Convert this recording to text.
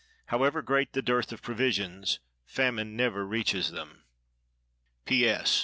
However great the dearth of provisions, famine never reaches them. P. S.